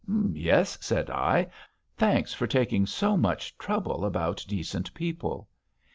'Yes,' said I. 'Thanks for taking so much trouble about decent people.